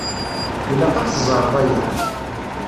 Ilaq ad t-teẓṛeḍ aya.